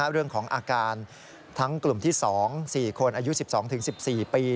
เรื่องของอาการทั้งกลุ่มที่๒๔คนอายุ๑๒๑๔ปี